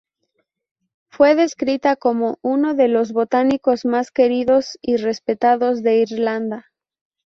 Fue descrita como ""uno de los botánicos más queridos y respetados de Irlanda"".